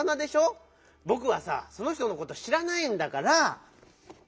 ぼくはさその人のことしらないんだから。